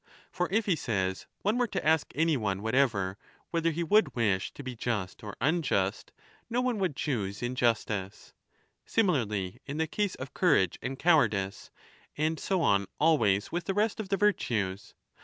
For if, he says, one were to ask any one whatever whether he would wish to be just or unjust, lo no one would choose injustice. Similarly in the case of courage and cowardice, and so on always with the rest of the virtues.